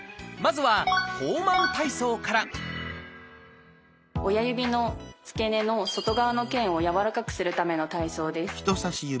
まずは「ホーマン体操」から親指の付け根の外側の腱をやわらかくするための体操です。